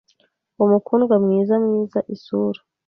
Uwo mukundwa mwiza mwiza isura